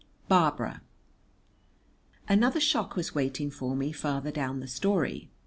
Barbara Another shock was waiting for me farther down the story.